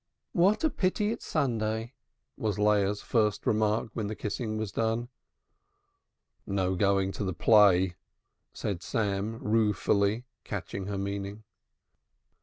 "What a pity it's Sunday!" was Leah's first remark when the kissing was done. "No going to the play," said Sam ruefully, catching her meaning.